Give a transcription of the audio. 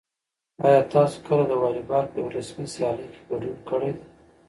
آیا تاسو کله د واليبال په یوه رسمي سیالۍ کې ګډون کړی دی؟